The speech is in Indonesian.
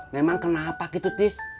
memang kenapa gitu tis